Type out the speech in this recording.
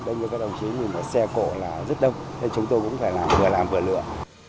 đông như các đồng chí mình mà xe cổ là rất đông nên chúng tôi cũng phải làm vừa làm vừa lựa